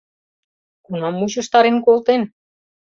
Кунам мучыштарен колтен?..